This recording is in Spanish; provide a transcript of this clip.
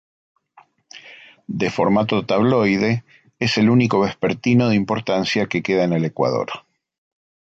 De formato tabloide, es el único vespertino de importancia que queda en el Ecuador.